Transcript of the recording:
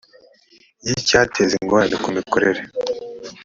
y icyateza ingorane ku mikorere